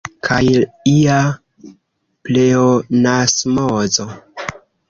Kaj ia pleonasmozo.